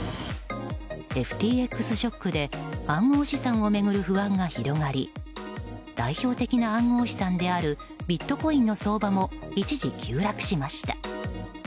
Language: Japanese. ＦＴＸショックで暗号資産を巡る不安が広がり代表的な暗号資産であるビットコインの相場も一時急落しました。